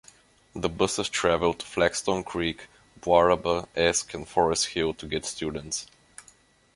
The buses travelled to Flagstone Creek, Buaraba, Esk, and Forest Hill to get students.